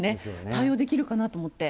対応できるかなと思って。